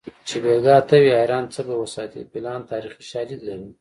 چې بیګا ته وي حیران څه به وساتي فیلان تاریخي شالید لري